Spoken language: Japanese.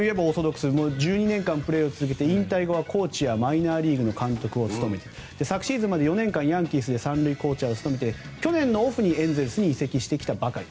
１２年間プレーをして引退後はコーチやマイナーリーグの監督を務め昨シーズンまで４年間ヤンキースで３塁コーチを務め去年のオフにエンゼルスに移籍してきたばかり。